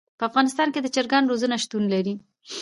په افغانستان کې د چرګانو روزنه شتون لري.